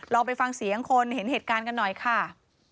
ไปฟังเสียงคนเห็นเหตุการณ์กันหน่อยค่ะ